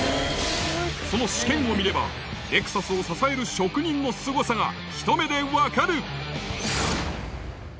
その試験を見れば、レクサスを支える職人のすごさがひと目でわかる！